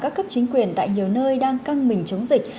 các cấp chính quyền tại nhiều nơi đang căng mình chống dịch